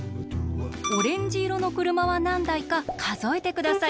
オレンジいろの車はなんだいかかぞえてください。